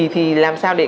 thì làm sao để